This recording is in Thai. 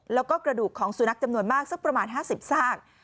แล้วก็กระดูกของสุนัขจำนวนมากสักประมาณ๕๐ซาก